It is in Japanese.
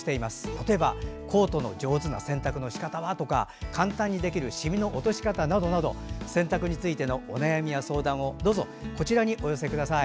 例えば、コートの上手な選択のしかたは？とか染みの効果的な落とし方などなど洗濯についてのお悩みや相談をこちらにお寄せください。